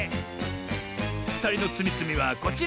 ふたりのつみつみはこちら！